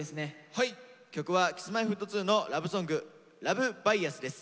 はい曲はＫｉｓ−Ｍｙ−Ｆｔ２のラブソング「ＬｕｖＢｉａｓ」です。